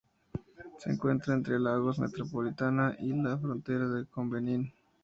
Se encuentra entre Lagos Metropolitana, y la frontera con Benín.